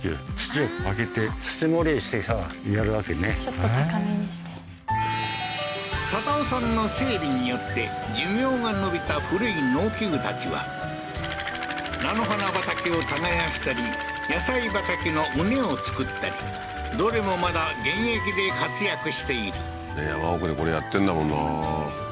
ちょっと高めにして定夫さんの整備によって寿命が延びた古い農機具たちは菜の花畑を耕したり野菜畑の畝を作ったりどれもまだ現役で活躍している山奥でこれやってんだもんな